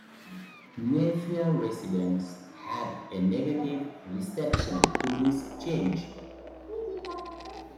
Mayfair residents had a negative reception to this change.